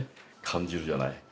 感じるじゃない。